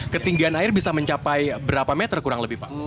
ketinggian air bisa mencapai berapa meter kurang lebih pak